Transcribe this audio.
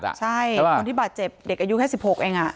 ใช่คนที่บาดเจ็บเด็กอายุแค่๑๖เอง